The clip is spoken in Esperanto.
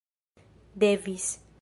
devis